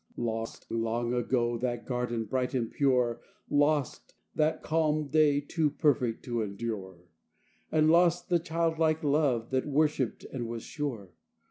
III Lost, long ago, that garden bright and pure, Lost, that calm day too perfect to endure, And lost the childlike love that worshipped and was sure!